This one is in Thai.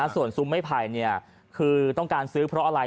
ส่วนซุ้มไม้ไผ่คือต้องการซื้อเพราะอะไร